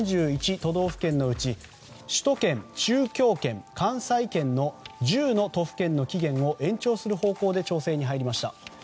３１都道府県のうち首都圏、中京圏、関西圏の１０の都府県の期限を延長する方向で検討に入りました。